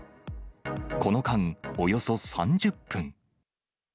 この間、およそ３０分。